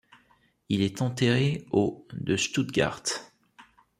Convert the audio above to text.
Il est enterré au de Stuttgart.